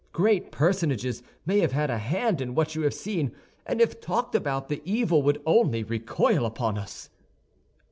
Great personages may have had a hand in what you have seen, and if talked about, the evil would only recoil upon us."